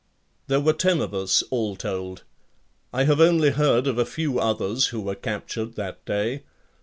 There were ten of us all told. I have only heard of a few others who were captured that day.